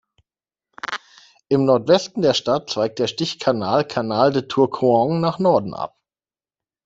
Im Nordwesten der Stadt zweigt der Stichkanal Canal de Tourcoing nach Norden ab.